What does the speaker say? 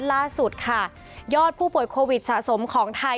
ล่าสุดค่ะยอดผู้ป่วยโควิดสะสมของไทย